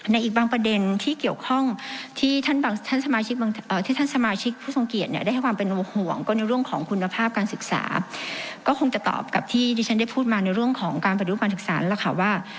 ในอีกบางประเด็นที่เกี่ยวข้องที่ท่านบางท่านสมาชิกที่ท่านสมาชิกผู้ทรงเกียจเนี่ยได้ให้ความเป็นห่วงก็ในเรื่องของคุณภาพการศึกษาก็คงจะตอบกับที่ที่ฉันได้พูดมาในเรื่องของการปฏิรูปการศึกษาล่ะค่ะว่า